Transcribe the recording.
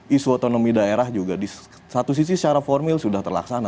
isu otonomi daerah juga di satu sisi secara formil sudah terlaksana